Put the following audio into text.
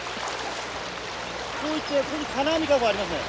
こう行ってここに金網籠ありますね。